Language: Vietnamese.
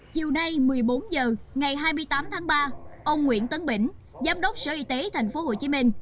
chiều nay một mươi bốn h ngày hai mươi tám tháng ba ông nguyễn tấn bỉnh giám đốc sở y tế tp hcm